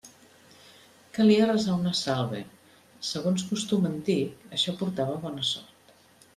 Calia resar una salve, segons costum antic; això portava bona sort.